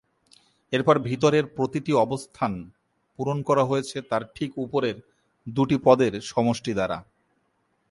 এরপর ভিতরের প্রতিটি অবস্থান পূরণ করা হয়েছে তার ঠিক উপরের দুটি পদের সমষ্টি দ্বারা।